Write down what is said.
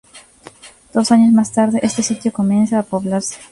Dos años más tarde, este sitio comienza a poblarse.